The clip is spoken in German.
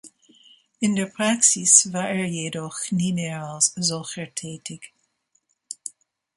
In der Praxis war er jedoch nie mehr als solcher tätig.